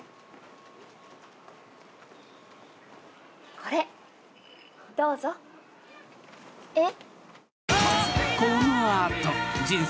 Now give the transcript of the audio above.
これどうぞ。えっ？